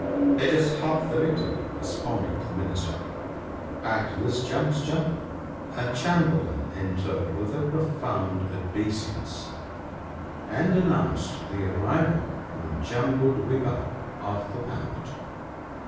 " It is half the victory," responded the Minister. At this juncture a chamberlain entered with a profound obeisance, and announced the arrival from Jambudwipa of the Parrot.